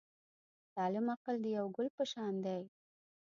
سالم عقل د یو ګل په شان دی.